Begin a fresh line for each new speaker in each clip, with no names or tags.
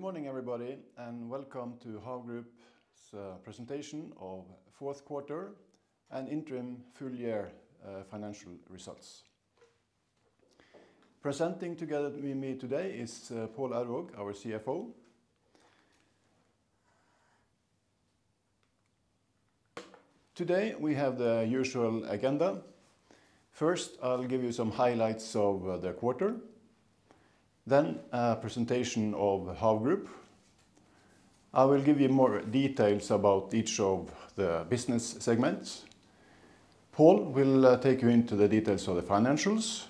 Good morning, everybody, and welcome to HAV Group's presentation of fourth quarter and interim full year financial results. Presenting together with me today is Pål Aurvåg, our CFO. Today, we have the usual agenda. First, I'll give you some highlights of the quarter, then a presentation of HAV Group. I will give you more details about each of the business segments. Pål will take you into the details of the financials,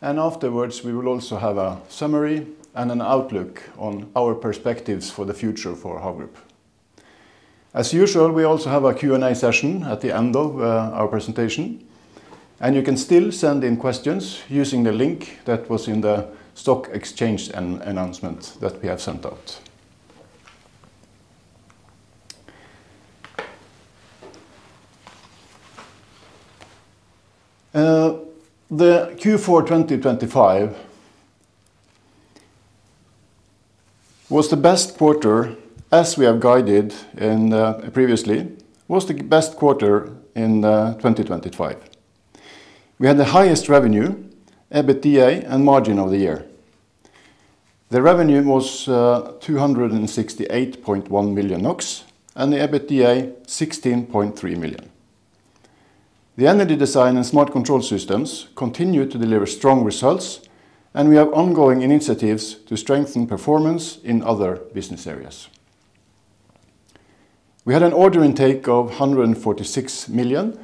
and afterwards we will also have a summary and an outlook on our perspectives for the future for HAV Group. As usual, we also have a Q&A session at the end of our presentation, and you can still send in questions using the link that was in the stock exchange announcement that we have sent out. Q4 2025 was the best quarter, as we have guided previously. We had the highest revenue, EBITDA, and margin of the year. The revenue was 268.1 million NOK, and the EBITDA 16.3 million. The Energy Design & Smart Control continued to deliver strong results, and we have ongoing initiatives to strengthen performance in other business areas. We had an order intake of 146 million,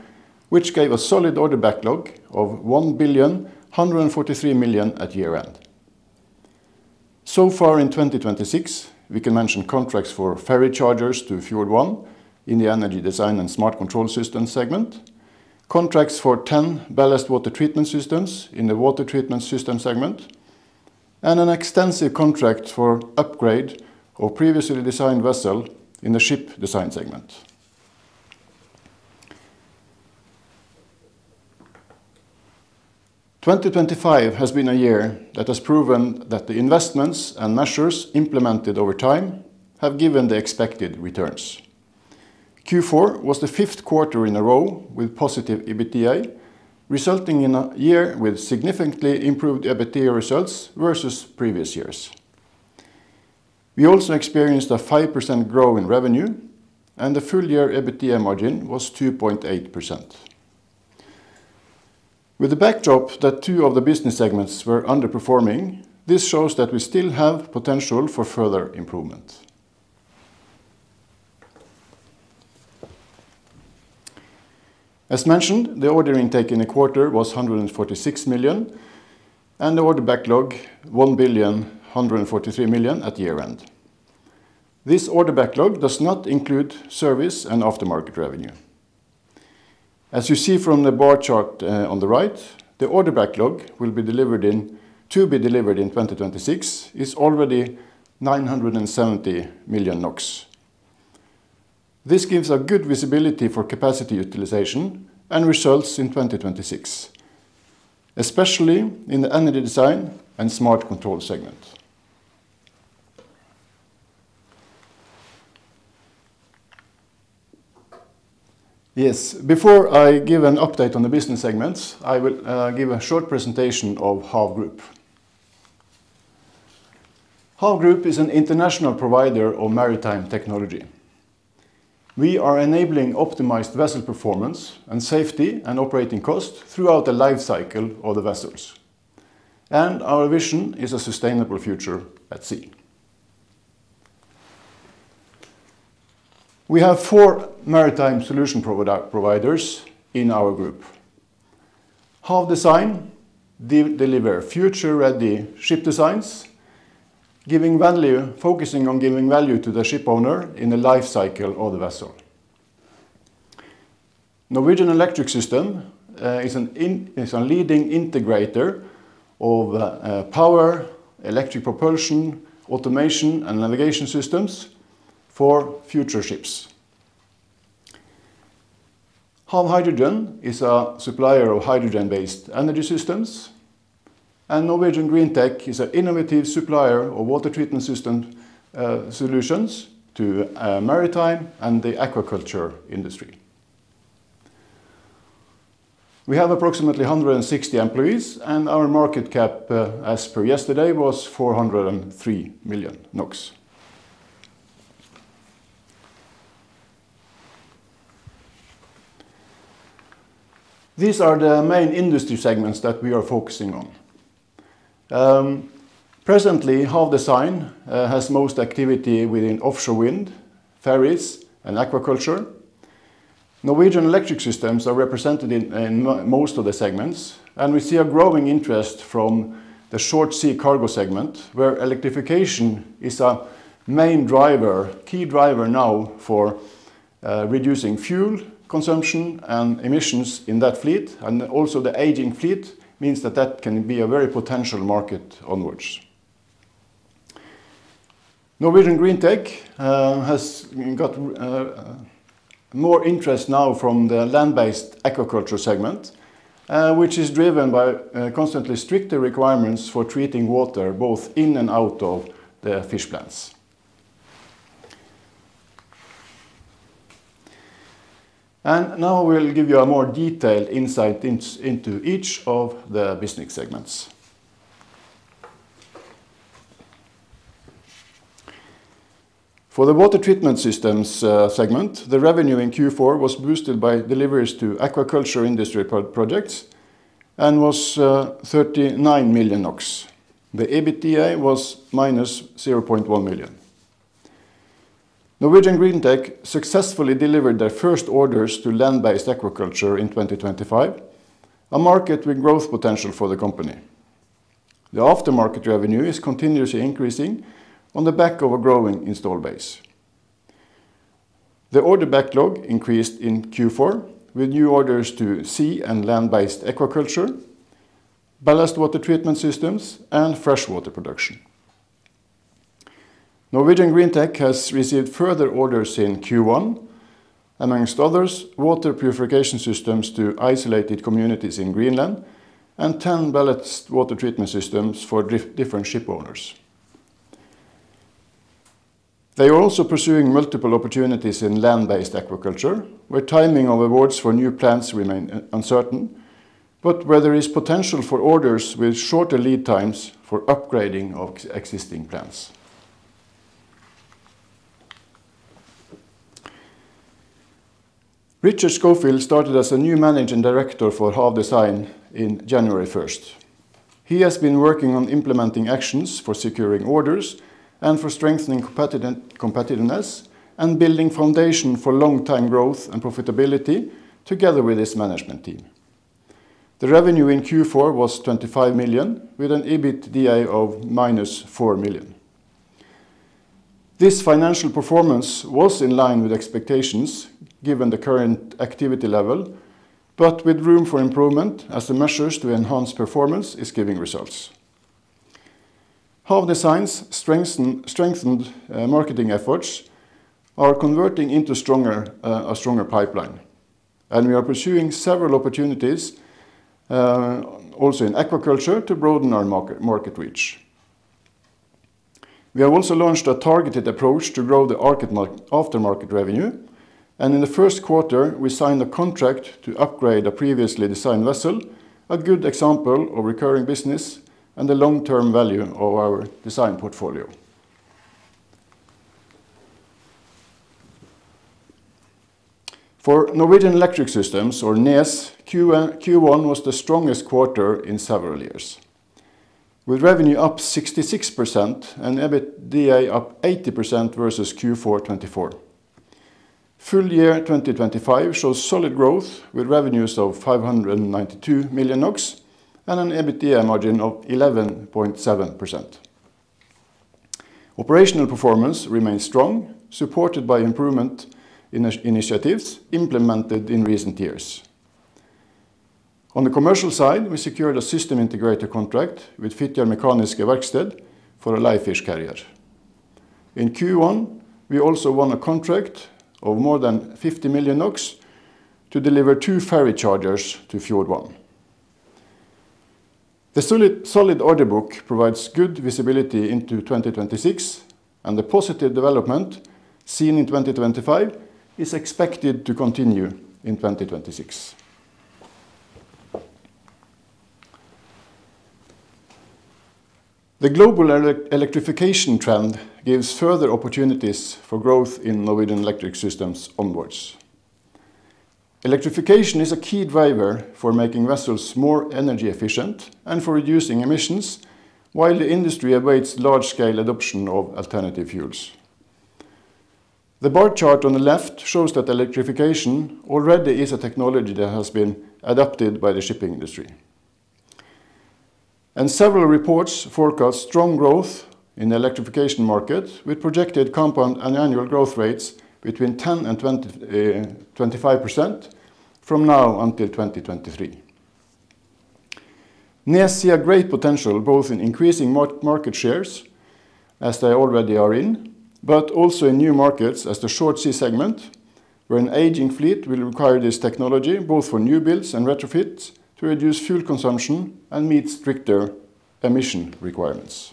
which gave a solid order backlog of 1,143,00,000 at year-end. Far in 2026, we can mention contracts for ferry chargers to Fjord1 in the Energy Design & Smart Control segment, contracts for 10 ballast water treatment systems in the Water Treatment Systems segment, and an extensive contract for upgrade of previously designed vessel in the Ship Design segment. 2025 has been a year that has proven that the investments and measures implemented over time have given the expected returns. Q4 was the fifth quarter in a row with positive EBITDA, resulting in a year with significantly improved EBITDA results versus previous years. We also experienced a 5% growth in revenue, and the full year EBITDA margin was 2.8%. With the backdrop that two of the business segments were underperforming, this shows that we still have potential for further improvement. As mentioned, the order intake in the quarter was 146 million, and the order backlog 1,143,000,000 at year-end. This order backlog does not include service and aftermarket revenue. As you see from the bar chart on the right, the order backlog to be delivered in 2026 is already 970 million NOK. This gives a good visibility for capacity utilization and results in 2026, especially in the Energy Design & Smart Control segment. Before I give an update on the business segments, I will give a short presentation of HAV Group. HAV Group is an international provider of maritime technology. We are enabling optimized vessel performance and safety and operating costs throughout the life cycle of the vessels, and our vision is a sustainable future at sea. We have four maritime solution product providers in our group. HAV Design delivers future-ready ship designs, giving value, focusing on giving value to the ship owner in the life cycle of the vessel. Norwegian Electric Systems is a leading integrator of power, electric propulsion, automation, and navigation systems for future ships. HAV Hydrogen is a supplier of hydrogen-based energy systems, and Norwegian Greentech is an innovative supplier of water treatment system solutions to maritime and the aquaculture industry. We have approximately 160 employees, and our market cap as per yesterday was 403 million NOK. These are the main industry segments that we are focusing on. Presently, HAV Design has most activity within offshore wind, ferries, and aquaculture. Norwegian Electric Systems are represented in most of the segments, and we see a growing interest from the short sea cargo segment, where electrification is a main driver, key driver now for reducing fuel consumption and emissions in that fleet. Also the aging fleet means that can be a very potential market onwards. Norwegian Greentech has got more interest now from the land-based aquaculture segment, which is driven by constantly stricter requirements for treating water both in and out of the fish plants. Now we'll give you a more detailed insight into each of the business segments. For the Water Treatment Systems segment, the revenue in Q4 was boosted by deliveries to aquaculture industry projects and was 39 million NOK. The EBITDA was -0.1 million. Norwegian Greentech successfully delivered their first orders to land-based aquaculture in 2025, a market with growth potential for the company. The aftermarket revenue is continuously increasing on the back of a growing installed base. The order backlog increased in Q4 with new orders to sea and land-based aquaculture, ballast water treatment systems, and freshwater production. Norwegian Greentech has received further orders in Q1, among others, water purification systems to isolated communities in Greenland and 10 ballast water treatment systems for different ship owners. They are also pursuing multiple opportunities in land-based aquaculture, where timing of awards for new plants remain uncertain, but where there is potential for orders with shorter lead times for upgrading existing plants. Richard Schofield started as a new Managing Director for HAV Design in January 1st. He has been working on implementing actions for securing orders and for strengthening competitiveness and building foundation for long-term growth and profitability together with his management team. The revenue in Q4 was 25 million with an EBITDA of -4 million. This financial performance was in line with expectations given the current activity level, but with room for improvement as the measures to enhance performance is giving results. HAV Design's strengthened marketing efforts are converting into a stronger pipeline, and we are pursuing several opportunities also in aquaculture to broaden our market reach. We have also launched a targeted approach to grow the aftermarket revenue, and in the first quarter, we signed a contract to upgrade a previously designed vessel, a good example of recurring business and the long-term value of our design portfolio. For Norwegian Electric Systems, or NES, Q1 was the strongest quarter in several years, with revenue up 66% and EBITDA up 80% versus Q4 2024. Full year 2025 shows solid growth with revenues of 592 million NOK and an EBITDA margin of 11.7%. Operational performance remains strong, supported by improvement initiatives implemented in recent years. On the commercial side, we secured a system integrator contract with Fitjar Mekaniske Verksted for a live fish carrier. In Q1, we also won a contract of more than 50 million NOK to deliver two ferry chargers to Fjord1. The solid order book provides good visibility into 2026, and the positive development seen in 2025 is expected to continue in 2026. The global electrification trend gives further opportunities for growth in Norwegian Electric Systems onwards. Electrification is a key driver for making vessels more energy efficient and for reducing emissions, while the industry awaits large-scale adoption of alternative fuels. The bar chart on the left shows that electrification already is a technology that has been adapted by the shipping industry. Several reports forecast strong growth in the electrification market with projected compound annual growth rates between 10% and 25% from now until 2023. NES see a great potential, both in increasing market shares as they already are in, but also in new markets as the short sea segment, where an aging fleet will require this technology, both for new builds and retrofits, to reduce fuel consumption and meet stricter emission requirements.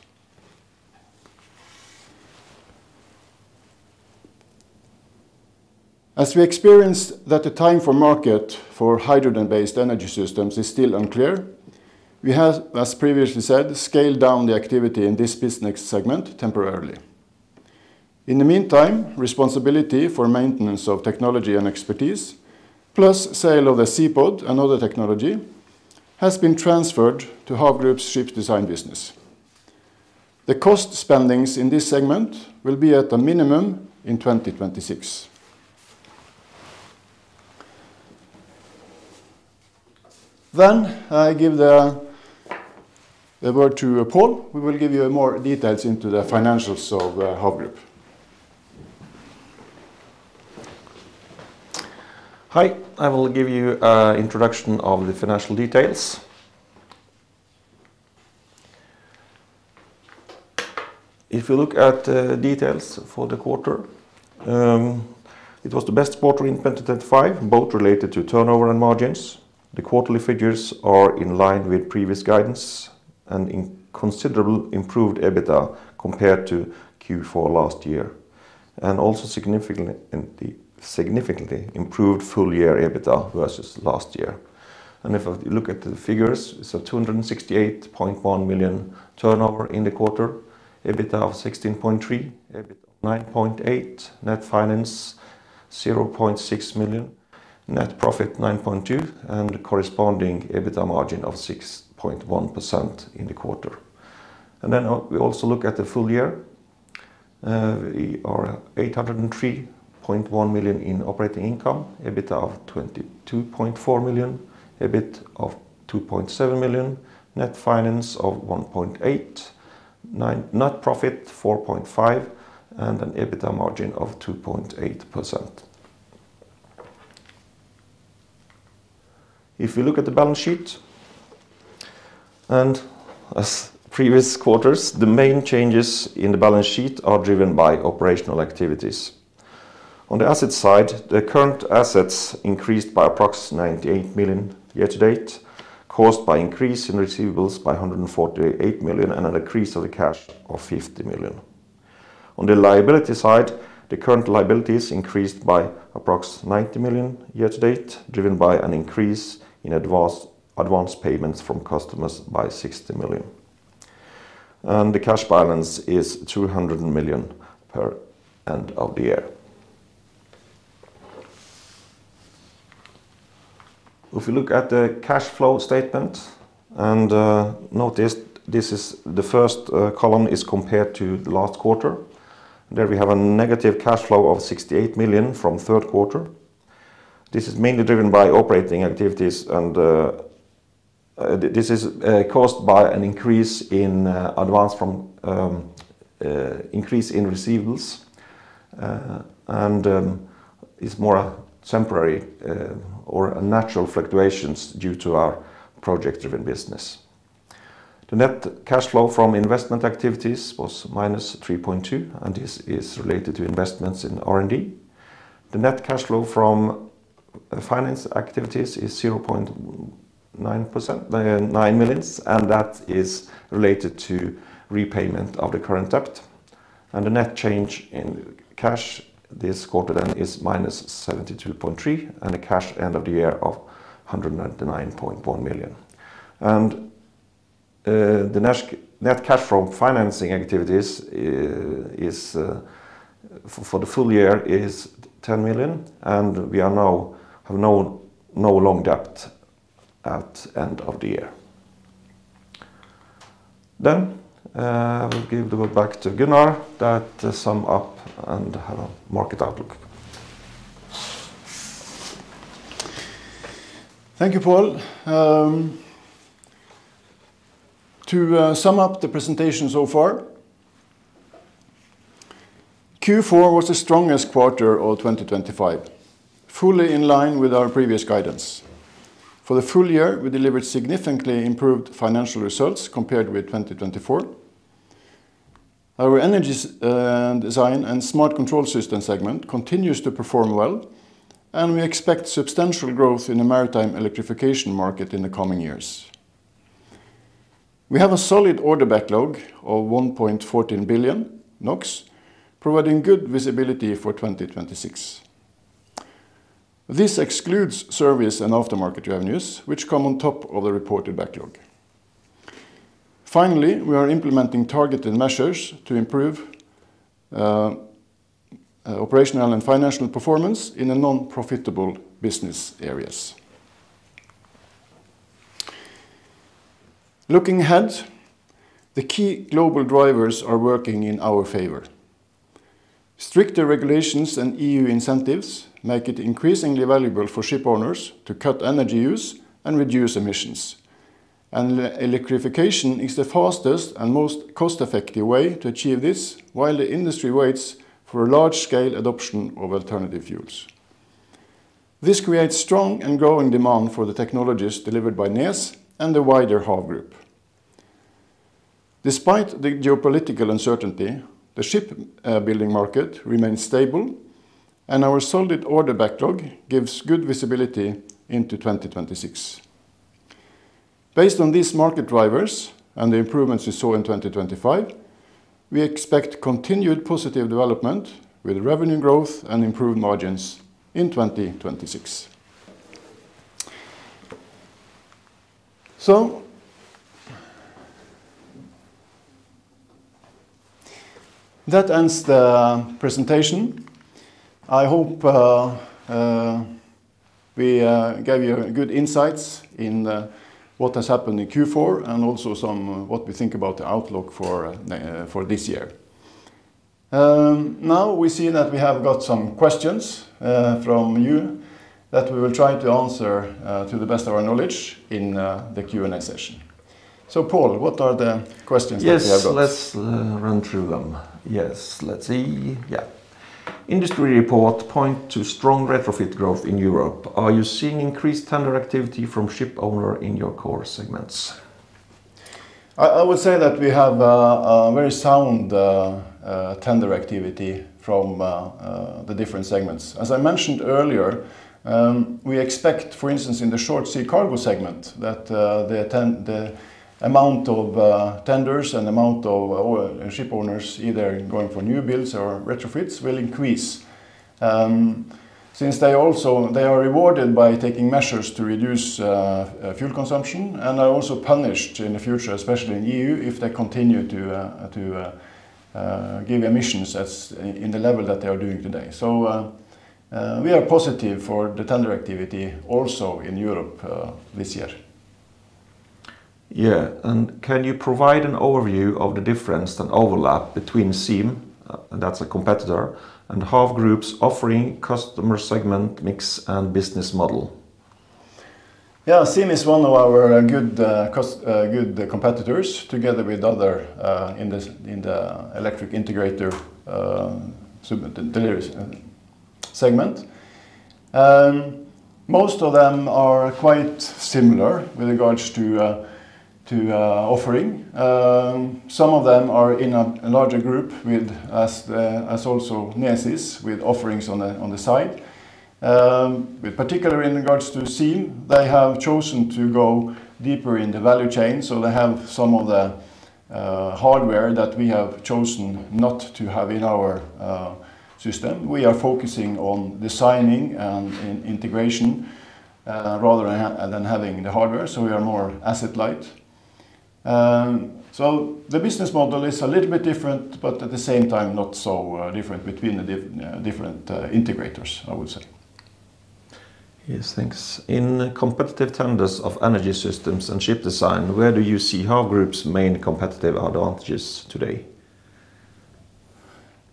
As we experienced that the time for market for hydrogen-based energy systems is still unclear, we have, as previously said, scaled down the activity in this business segment temporarily. In the meantime, responsibility for maintenance of technology and expertise, plus sale of the ZEPOD and other technology, has been transferred to HAV Group's Ship Design business. The cost spending in this segment will be at a minimum in 2026. I give the word to Pål, who will give you more details into the financials of HAV Group.
Hi, I will give you a introduction of the financial details. If you look at details for the quarter, it was the best quarter in 2025, both related to turnover and margins. The quarterly figures are in line with previous guidance and considerably improved EBITDA compared to Q4 last year and also significantly improved full year EBITDA versus last year. If you look at the figures, it's a 268.1 million turnover in the quarter, EBITDA of 16.3 million, EBIT of 9.8 million, net finance 0.6 million, net profit 9.2 million, and corresponding EBITDA margin of 6.1% in the quarter. Then we also look at the full year. We are 803.1 million in operating income, EBITDA of 22.4 million, EBIT of 2.7 million, net finance of 1.89 million, net profit 4.5 million, and an EBITDA margin of 2.8%. If you look at the balance sheet, as in previous quarters, the main changes in the balance sheet are driven by operational activities. On the asset side, the current assets increased by approximately 98 million year to date, caused by increase in receivables by 148 million and a decrease of the cash of 50 million. On the liability side, the current liabilities increased by approximately 90 million year to date, driven by an increase in advance payments from customers by 60 million. The cash balance is 200 million at the end of the year. If we look at the cash flow statement and notice this is the first column is compared to the last quarter, there we have a negative cash flow of 68 million from third quarter. This is mainly driven by operating activities and this is caused by an increase in receivables, and is more a temporary or natural fluctuations due to our project-driven business. The net cash flow from investment activities was -3.2 million, and this is related to investments in R&D. The net cash flow from finance activities is 0.9 million, and that is related to repayment of the current debt. The net change in cash this quarter then is -72.3 million and cash end of the year of 199.1 million. The net cash from financing activities for the full year is 10 million, and we now have no long-term debt at end of the year. I will hand the word back to Gunnar to sum up and have a market outlook.
Thank you, Pål. Sum up the presentation so far, Q4 was the strongest quarter of 2025, fully in line with our previous guidance. For the full year, we delivered significantly improved financial results compared with 2024. Our Energy Design & Smart Control system segment continues to perform well, and we expect substantial growth in the maritime electrification market in the coming years. We have a solid order backlog of 1.14 billion NOK, providing good visibility for 2026. This excludes service and aftermarket revenues, which come on top of the reported backlog. Finally, we are implementing targeted measures to improve operational and financial performance in the non-profitable business areas. Looking ahead, the key global drivers are working in our favor. Stricter regulations and EU incentives make it increasingly valuable for ship owners to cut energy use and reduce emissions. The electrification is the fastest and most cost-effective way to achieve this while the industry waits for a large-scale adoption of alternative fuels. This creates strong and growing demand for the technologies delivered by NES and the wider HAV Group. Despite the geopolitical uncertainty, the shipbuilding market remains stable, and our solid order backlog gives good visibility into 2026. Based on these market drivers and the improvements we saw in 2025, we expect continued positive development with revenue growth and improved margins in 2026. That ends the presentation. I hope we gave you good insights into what has happened in Q4 and also what we think about the outlook for this year. Now we see that we have got some questions from you that we will try to answer to the best of our knowledge in the Q&A session. Pål, what are the questions that we have got?
Yes, let's run through them. Yes. Let's see. Yeah. Industry report points to strong retrofit growth in Europe. Are you seeing increased tender activity from ship owners in your core segments?
I would say that we have a very sound tender activity from the different segments. As I mentioned earlier, we expect, for instance, in the short sea cargo segment, that the amount of tenders and amount of ship owners either going for new builds or retrofits will increase. Since they are rewarded by taking measures to reduce fuel consumption and are also punished in the future, especially in EU, if they continue to give emissions as in the level that they are doing today. We are positive for the tender activity also in Europe this year.
Can you provide an overview of the difference that overlap between Siemens and that's a competitor, and HAV Group's offering customer segment mix and business model?
Yeah, Siemens is one of our good competitors together with others in the electric integrator segment, deliveries segment. Most of them are quite similar with regards to offering. Some of them are in a larger group with us as also NES is with offerings on the side. With particular in regards to Siemens, they have chosen to go deeper in the value chain so they have some of the hardware that we have chosen not to have in our system. We are focusing on designing and integration rather than having the hardware, so we are more asset light so the business model is a little bit different, but at the same time not so different between the different integrators, I would say.
Yes, thanks. In competitive tenders of energy systems and ship design, where do you see HAV Group's main competitive advantages today?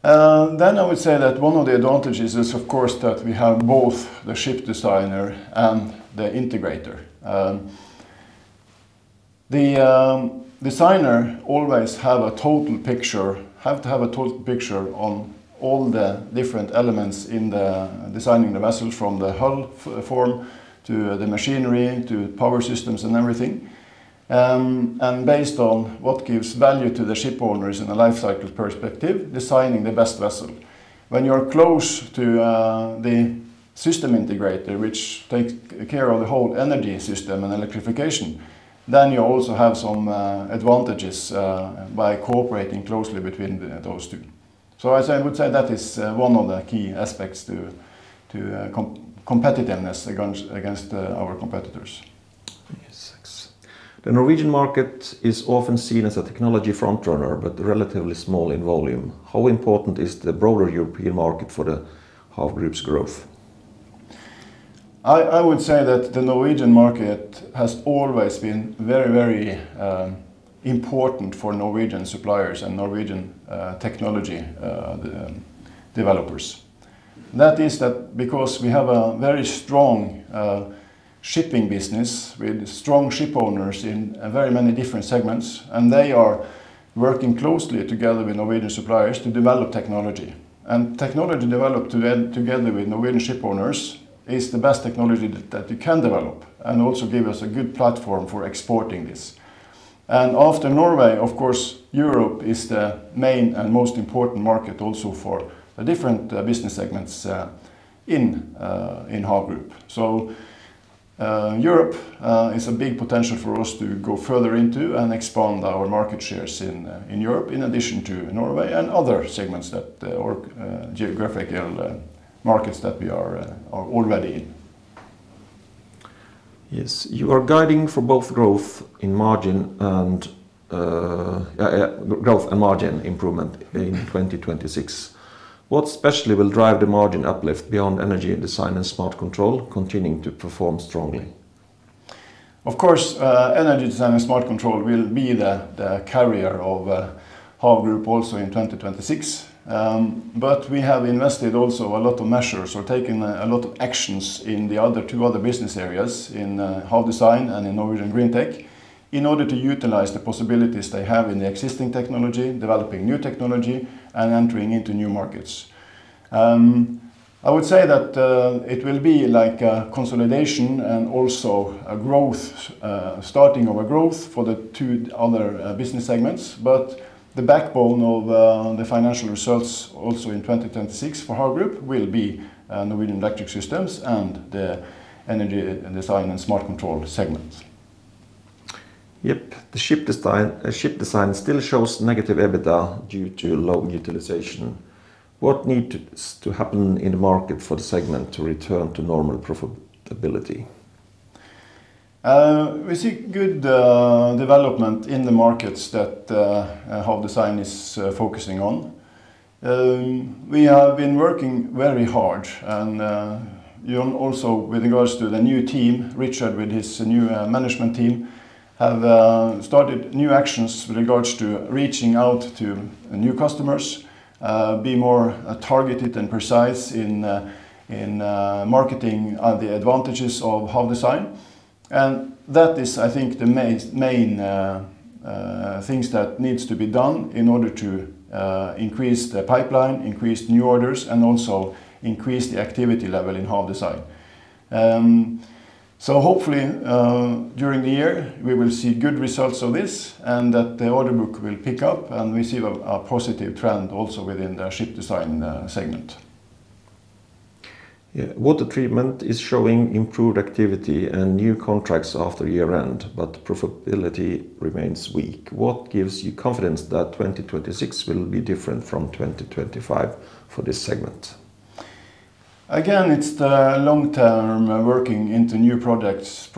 I would say that one of the advantages is, of course, that we have both the ship designer and the integrator. The designer always have a total picture on all the different elements in designing the vessel, from the hull form to the machinery to power systems and everything. Based on what gives value to the ship owners in a life cycle perspective, designing the best vessel. When you're close to the system integrator, which takes care of the whole energy system and electrification, then you also have some advantages by cooperating closely between those two. I say, I would say that is one of the key aspects to competitiveness against our competitors.
Yes, thanks. The Norwegian market is often seen as a technology front runner, but relatively small in volume. How important is the broader European market for the HAV Group's growth?
I would say that the Norwegian market has always been very important for Norwegian suppliers and Norwegian technology developers. That is because we have a very strong shipping business with strong ship owners in very many different segments, and they are working closely together with Norwegian suppliers to develop technology. Technology developed together with Norwegian ship owners is the best technology that you can develop and also give us a good platform for exporting this. After Norway, of course, Europe is the main and most important market also for the different business segments in HAV Group. Europe is a big potential for us to go further into and expand our market shares in Europe, in addition to Norway and other segments or geographical markets that we are already in.
Yes. You are guiding for both growth in margin and growth and margin improvement in 2026. What specifically will drive the margin uplift beyond Energy Design & Smart Control continuing to perform strongly?
Of course, energy design and smart control will be the carrier of HAV Group also in 2026. We have invested also a lot of measures or taken a lot of actions in the other two business areas in HAV Design and in Norwegian Greentech, in order to utilize the possibilities they have in the existing technology, developing new technology, and entering into new markets. I would say that it will be like a consolidation and also a growth, starting of a growth for the two other business segments. The backbone of the financial results also in 2026 for HAV Group will be Norwegian Electric Systems and the energy and design and smart control segments.
Yep. The Ship Design still shows negative EBITDA due to low utilization. What needs to happen in the market for the segment to return to normal profitability?
We see good development in the markets that HAV Design is focusing on. We have been working very hard and Jon also with regards to the new team, Richard with his new management team, have started new actions with regards to reaching out to new customers, be more targeted and precise in marketing the advantages of HAV Design. That is, I think, the main things that needs to be done in order to increase the pipeline, increase new orders, and also increase the activity level in HAV Design. Hopefully, during the year, we will see good results of this and that the order book will pick up, and we see a positive trend also within the Ship Design segment.
Yeah. Water Treatment is showing improved activity and new contracts after year-end, but profitability remains weak. What gives you confidence that 2026 will be different from 2025 for this segment?
Again, it's the long-term working into new products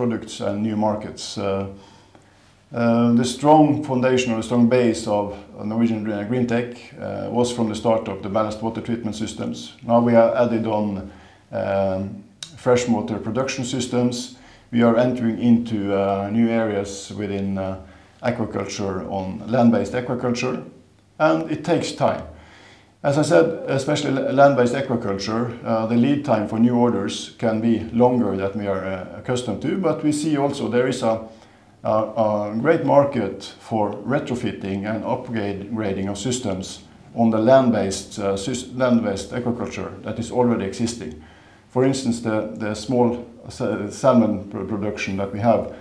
and new markets. The strong foundation or the strong base of Norwegian Greentech was from the start of the ballast water treatment systems. Now we have added on fresh water production systems. We are entering into new areas within aquaculture, land-based aquaculture, and it takes time. As I said, especially land-based aquaculture, the lead time for new orders can be longer than we are accustomed to. We see also there is a great market for retrofitting and upgrading of systems on the land-based aquaculture that is already existing. For instance, the small-scale salmon production that we have,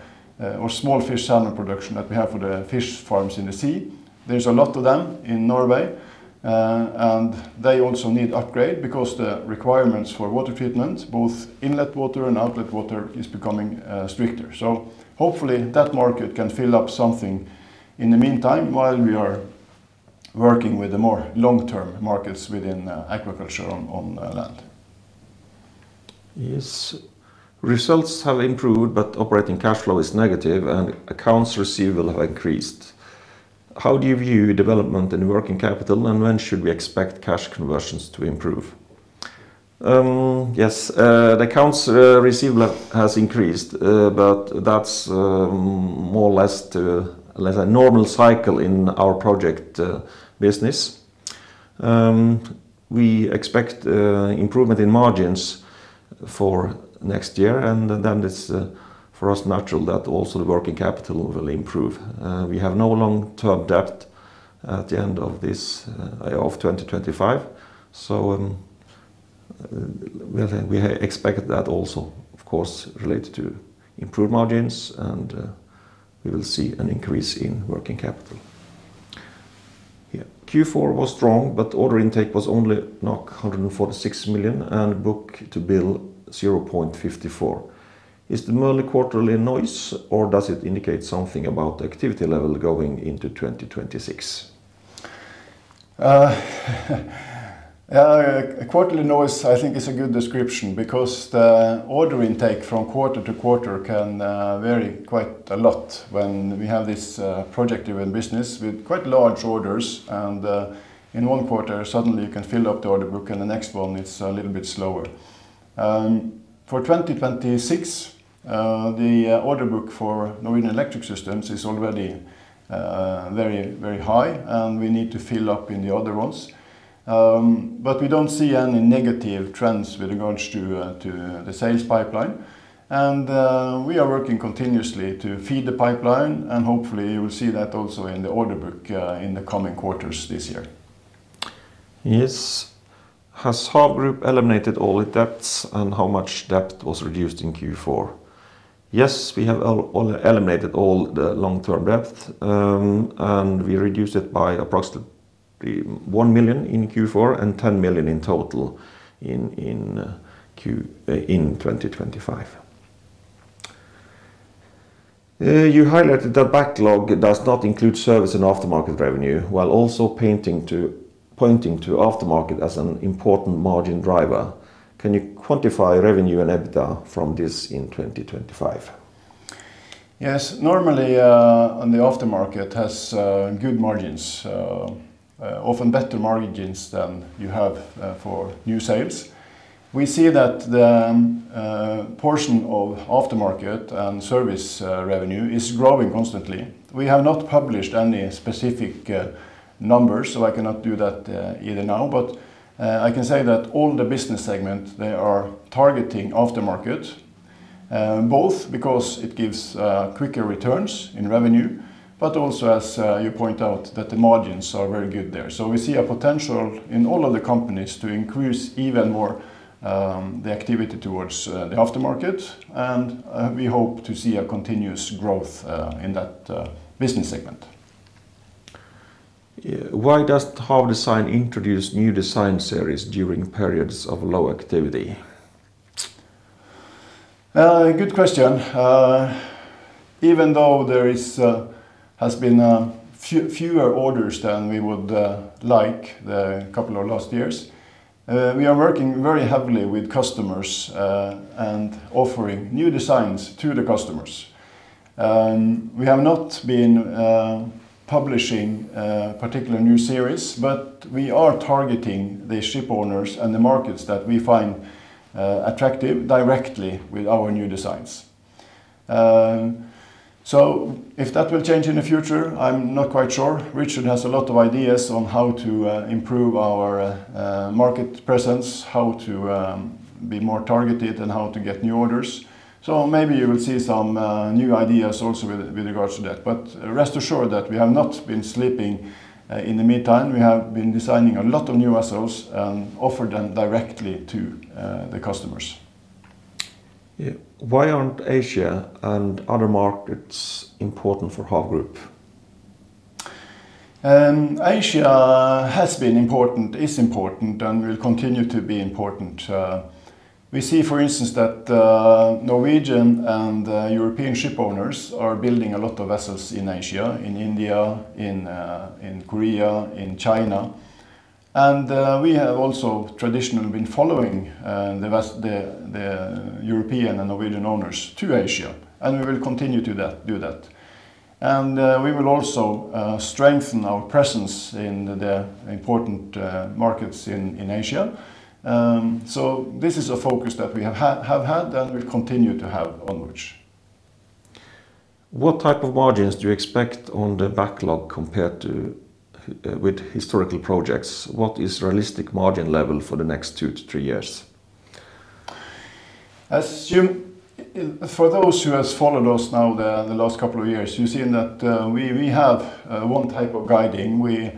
or small-scale salmon production that we have for the fish farms in the sea, there's a lot of them in Norway. They also need upgrade because the requirements for water treatment, both inlet water and outlet water, is becoming stricter. Hopefully that market can fill up something in the meantime while we are working with the more long-term markets within aquaculture on land.
Yes. Results have improved, but operating cash flow is negative and accounts receivable have increased. How do you view development in working capital and when should we expect cash conversions to improve? Yes, the accounts receivable has increased, but that's more or less due to less than normal cycle in our project business. We expect improvement in margins for next year, and then it's natural for us that also the working capital will improve. We have no long-term debt at the end of 2025. We expect that also, of course, related to improved margins, and we will see an increase in working capital. Yeah. Q4 was strong, but order intake was only 146 million and book-to-bill 0.54. Is this merely quarterly noise or does it indicate something about activity level going into 2026?
Yeah, quarterly noise, I think is a good description because the order intake from quarter to quarter can vary quite a lot when we have this project driven business with quite large orders and in one quarter, suddenly you can fill up the order book and the next one it's a little bit slower. For 2026, the order book for Norwegian Electric Systems is already very, very high and we need to fill up in the other ones. But we don't see any negative trends with regards to the sales pipeline. We are working continuously to feed the pipeline, and hopefully you will see that also in the order book in the coming quarters this year.
Yes. Has HAV Group eliminated all the debts and how much debt was reduced in Q4? Yes, we have all eliminated all the long-term debt, and we reduced it by approximately 1 million in Q4 and 10 million in total in 2025. You highlighted the backlog does not include service and aftermarket revenue while also pointing to aftermarket as an important margin driver. Can you quantify revenue and EBITDA from this in 2025?
Yes. Normally, on the aftermarket has good margins, often better margins than you have for new sales. We see that the portion of aftermarket and service revenue is growing constantly. We have not published any specific numbers, so I cannot do that either now. I can say that all the business segment, they are targeting aftermarket, both because it gives quicker returns in revenue, but also, as you point out, that the margins are very good there. We see a potential in all of the companies to increase even more the activity towards the aftermarket and we hope to see a continuous growth in that business segment.
Yeah. Why does HAV Design introduce new design series during periods of low activity?
Good question. Even though there has been fewer orders than we would like the last couple of years, we are working very heavily with customers and offering new designs to the customers. We have not been publishing particular new series, but we are targeting the shipowners and the markets that we find attractive directly with our new designs. If that will change in the future, I'm not quite sure. Richard has a lot of ideas on how to improve our market presence, how to be more targeted, and how to get new orders. Maybe you will see some new ideas also with regards to that. Rest assured that we have not been sleeping in the meantime. We have been designing a lot of new SOs and offer them directly to the customers.
Yeah. Why aren't Asia and other markets important for HAV Group?
Asia has been important, is important, and will continue to be important. We see, for instance, that Norwegian and European ship owners are building a lot of vessels in Asia, in India, in Korea, in China. We have also traditionally been following the European and Norwegian owners to Asia, and we will continue to do that. We will also strengthen our presence in the important markets in Asia. This is a focus that we have had and will continue to have onwards.
What type of margins do you expect on the backlog compared to historical projects? What is realistic margin level for the next 2-3 years?
For those who has followed us now the last couple of years, you've seen that we have one type of guiding. We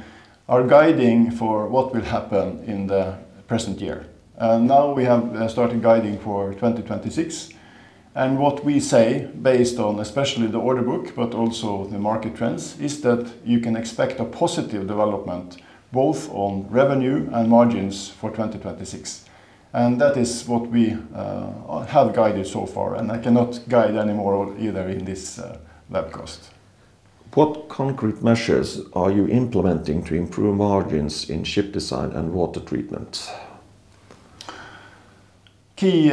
are guiding for what will happen in the present year, and now we have started guiding for 2026. What we say, based on especially the order book but also the market trends, is that you can expect a positive development both on revenue and margins for 2026. That is what we have guided so far, and I cannot guide any more either in this webcast.
What concrete measures are you implementing to improve margins in Ship Design and Water Treatment?
Key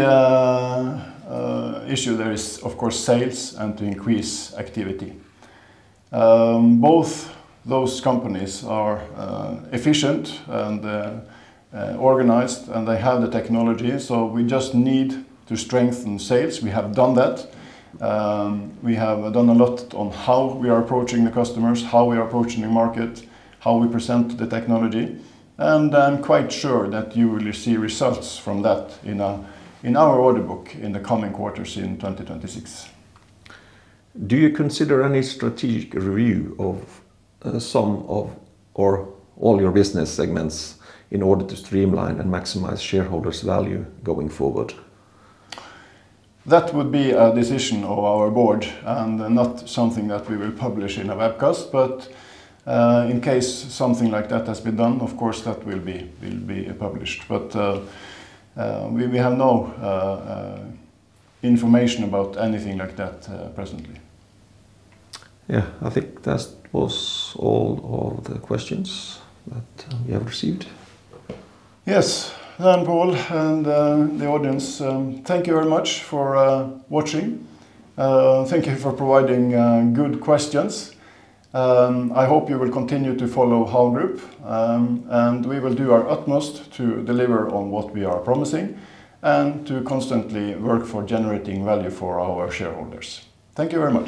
issue there is, of course, sales and to increase activity. Both those companies are efficient and organized, and they have the technology, so we just need to strengthen sales. We have done that. We have done a lot on how we are approaching the customers, how we are approaching the market, how we present the technology. I'm quite sure that you will see results from that in our order book in the coming quarters in 2026.
Do you consider any strategic review of some of or all your business segments in order to streamline and maximize shareholders' value going forward?
That would be a decision of our board and not something that we will publish in a webcast. In case something like that has been done, of course, that will be published. We have no information about anything like that presently.
Yeah. I think that was all of the questions that we have received.
Yes. Pål, and the audience, thank you very much for watching. Thank you for providing good questions. I hope you will continue to follow HAV Group. We will do our utmost to deliver on what we are promising and to constantly work for generating value for our shareholders. Thank you very much.